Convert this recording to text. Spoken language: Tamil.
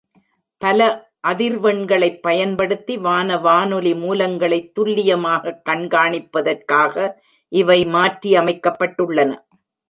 பல அதிர்வெண்களைப் பயன்படுத்தி வான வானொலி மூலங்களைத் துல்லியமாகக் கண்காணிப்பதற்காக இவை மாற்றியமைக்கப்பட்டுள்ளன.